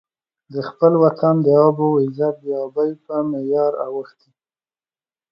د خپل وطن د آب او عزت بې ابۍ په معیار اوښتی.